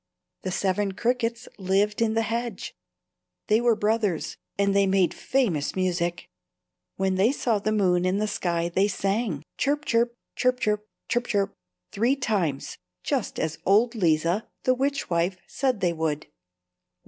The Seven Crickets lived in the hedge. They were brothers, and they made famous music. When they saw the moon in the sky they sang "chirp chirp, chirp chirp, chirp chirp," three times, just as old Leeza, the witchwife, said they would.